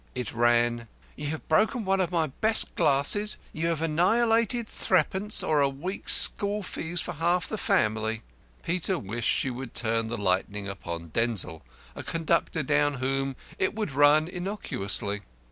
It ran: "You have broken one of my best glasses. You have annihilated threepence, or a week's school fees for half the family." Peter wished she would turn the lightning upon Denzil, a conductor down whom it would run innocuously.